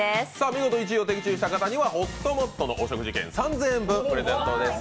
見事１位を的中した方にはほっともっとのお食事券３０００円、プレゼントです。